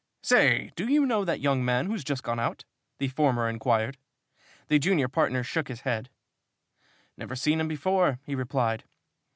"Say, do you know that young man who's just gone out?" the former inquired. The junior partner shook his head. "Never seen him before," he replied.